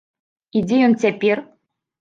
І дзе ён цяпер?